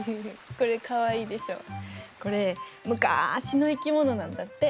これむかしの生き物なんだって。